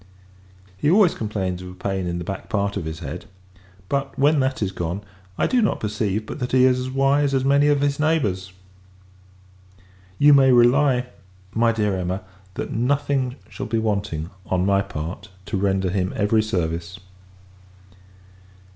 He always complains of a pain in the back part of his head; but, when that is gone, I do not perceive but that he is as wise as many of his neighbours. You may rely, my dear Emma, that nothing shall be wanting, on my part, to render him every service.